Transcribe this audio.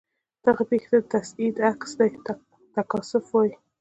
دغې پیښې ته چې د تصعید عکس دی تکاثف وايي.